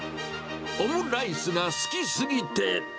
オムライスが好き過ぎて。